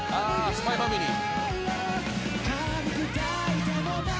『ＳＰＹ×ＦＡＭＩＬＹ』」